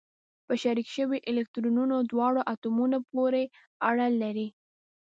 په شریک شوي الکترونونه دواړو اتومونو پورې اړه لري.